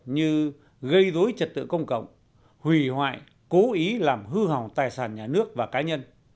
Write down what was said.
như gây dối trật tự công cộng hủy hoại cố ý làm hư hỏng tài sản nhà nước và cá nhân